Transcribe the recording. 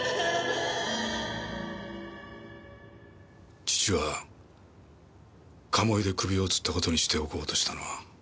義父は鴨居で首をつった事にしておこうとしたのは私です。